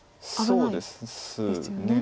そうですね。